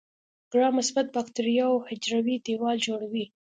د ګرام مثبت باکتریاوو حجروي دیوال جوړوي.